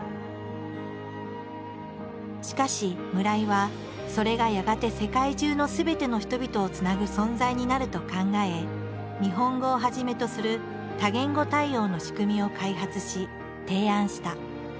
しかし村井はそれがやがて世界中のすべての人々をつなぐ存在になると考え日本語をはじめとする多言語対応の仕組みを開発し提案した。